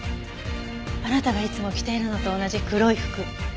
あなたがいつも着ているのと同じ黒い服。